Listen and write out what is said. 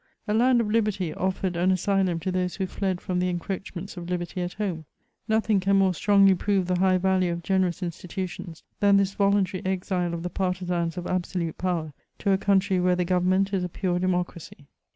A land of liberty offered an asylum to those who fled from the encroachments of liberty at home ; nothing can more strongly prove the high value of generous institutions, than this voluntary exile of the partisans of absolute power to a country where the government is a pure democracy.